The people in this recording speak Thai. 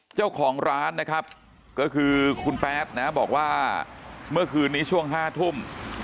เจ้าของร้านนะครับก็คือคุณแป๊ดนะบอกว่าเมื่อคืนนี้ช่วง๕ทุ่ม